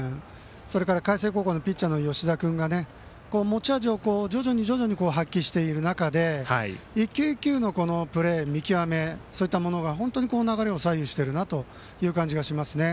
それから海星高校のピッチャーの吉田君が持ち味を徐々に発揮している中で１球１球のプレー、見極めそういったものが流れを左右しているなという感じがしますね。